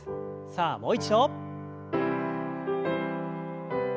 さあもう一度。